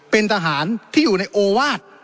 เป็นทหารที่อยู่ในโอวาส